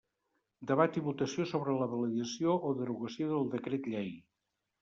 Debat i votació sobre la validació o derogació del decret llei.